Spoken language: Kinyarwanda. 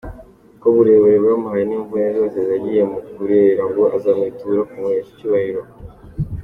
Ku burere yamuhaye n’imvune zose yagize mu kumurera ngo azamwitura kumuhesha icyubahiro”.